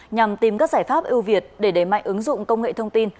nhằm tìm các giải pháp ưu việt để đẩy mạnh ứng dụng công nghệ thông tin